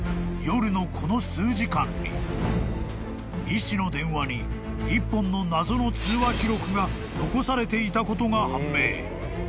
［夜のこの数時間に医師の電話に一本の謎の通話記録が残されていたことが判明］